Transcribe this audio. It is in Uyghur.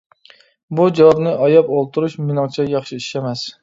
بۇ جاۋابنى ئاياپ ئولتۇرۇش مېنىڭچە ياخشى ئىش ئەمەس.